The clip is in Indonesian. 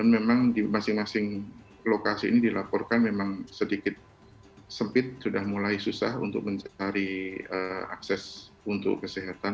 memang di masing masing lokasi ini dilaporkan memang sedikit sempit sudah mulai susah untuk mencari akses untuk kesehatan